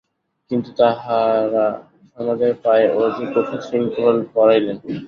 কিন্তু তাঁহারা সমাজের পায়ে অতি কঠিন শৃঙ্খল পরাইলেন।